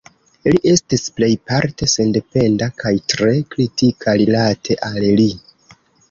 Li estis plejparte sendependa kaj tre kritika rilate al li.